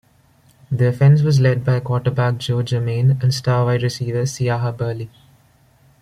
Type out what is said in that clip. The offense was led by quarterback Joe Germaine and star wide receiver Siaha Burley.